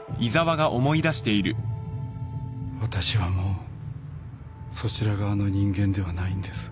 私はもうそちら側の人間ではないんです